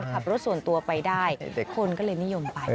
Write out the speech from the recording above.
ขับรถส่วนตัวไปได้คนก็เลยนิยมไป